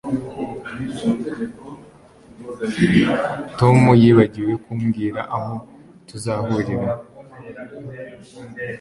Tom yibagiwe kumbwira aho tuzahurira